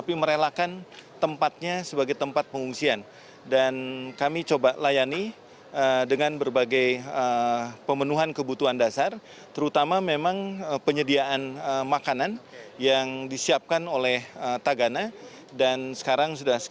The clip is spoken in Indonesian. bersama saya ratu nabila